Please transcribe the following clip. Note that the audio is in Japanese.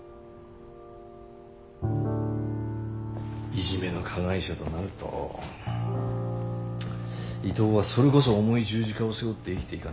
いじめの加害者となると伊藤はそれこそ重い十字架を背負って生きていかなければならない。